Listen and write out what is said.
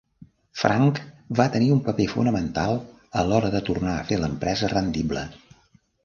Frank va tenir un paper fonamental a l'hora de tornar a fer l'empresa rendible.